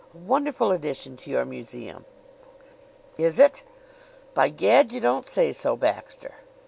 A wonderful addition to your museum!" "Is it? By Gad! You don't say so, Baxter!"